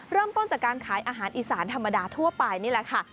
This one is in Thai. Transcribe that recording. เริ่มต้นจากการขายอาหารอีสานธรรมดาทั่วไปนี่แหละค่ะ